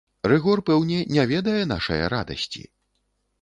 Рыгор, пэўне, не ведае нашае радасці?